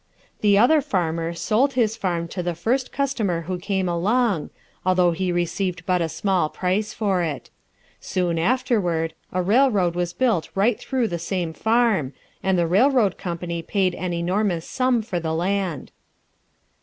The Other Farmer Sold his Farm to the First Customer who came Along, although he Received but a Small Price for it. Soon Afterward a Railroad was Built right through the Same Farm, and The Railroad Company paid an Enormous Sum for the Land.